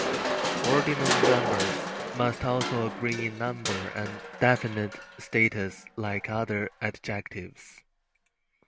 Ordinal numbers must also agree in number and definite status like other adjectives.